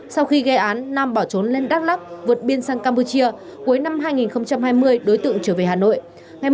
sau khi gây án nam bỏ trốn lên đắk lắc vượt biên sang campuchia cuối năm hai nghìn hai mươi đối tượng trở về hà nội